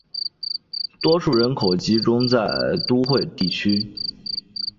多数人口集中在都会地区。